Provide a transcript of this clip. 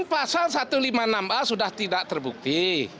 pasal satu ratus lima puluh enam a sudah tidak terbukti